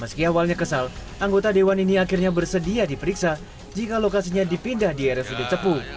meski awalnya kesal anggota dewan ini akhirnya bersedia diperiksa jika lokasinya dipindah di rsud cepu